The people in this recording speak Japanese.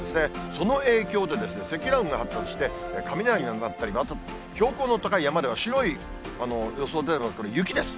その影響でですね、積乱雲が発達して、雷が鳴ったり、また標高の高い山では白い予想出ています、これ、雪です。